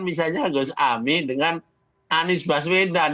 misalnya gus amin dengan anies baswedan